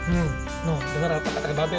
nih noh denger apa kata babe